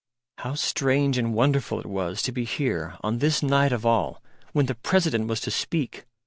How strange and wonderful it was to be here on this night of all, when the President was to speak!